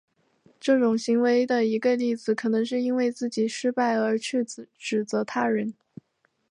这种行为的一个例子可能是因为自己失败而去指责他人。